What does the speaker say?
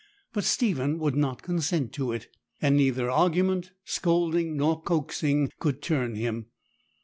But Stephen would not consent to it; and neither argument, scolding, nor coaxing could turn him.